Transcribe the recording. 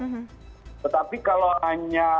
tetapi kalau hanya